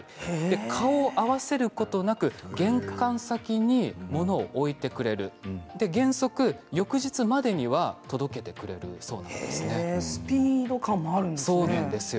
顔を合わせることなく玄関先に物を置いてくれる、原則、翌日までにはスピード感もあるんですね。